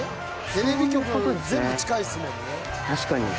テレビ局全部近いっすもんね。